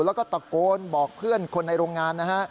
แล้วก็ตะโกนบอกเพื่อนคนในโรงงานนะฮะ